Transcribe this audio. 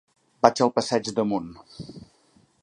Vaig al passeig d'Amunt.